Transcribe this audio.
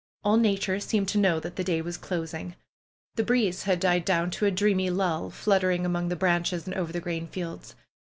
All nature seemed to know that the day was closing. The breeze had died down to a dreamy lull, fluttering among the branches and over the grain fields.